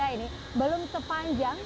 ini belum sepanjang